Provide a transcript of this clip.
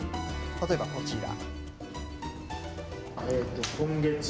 例えばこちら。